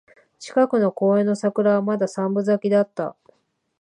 近くの公園の桜はまだ三分咲きだった